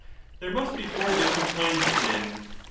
There must be four different kinds of men.